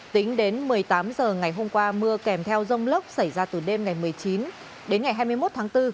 tính đến một mươi tám h ngày hôm qua mưa kèm theo rông lốc xảy ra từ đêm ngày một mươi chín đến ngày hai mươi một tháng bốn